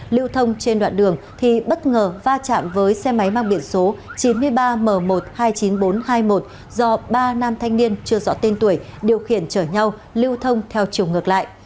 lưu thông trên đoạn đường thì bất ngờ va chạm với xe máy mang biện số chín mươi ba m một trăm hai mươi chín nghìn bốn trăm hai mươi một do ba nam thanh niên chưa rõ tên tuổi điều khiển chở nhau lưu thông theo chiều ngược lại